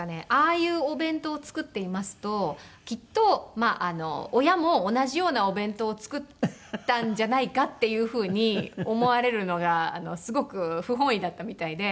ああいうお弁当を作っていますときっと親も同じようなお弁当を作ったんじゃないかっていうふうに思われるのがすごく不本意だったみたいで。